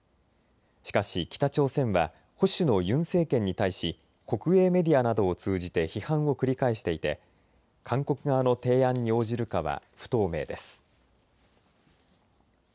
しかし北朝鮮は保守のユン政権に対し国営メディアなどを通じて批判を繰り返していて韓国側の提案に応じるかは不透明です。